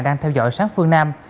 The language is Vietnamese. đang theo dõi sáng phương nam